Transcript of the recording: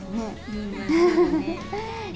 うん。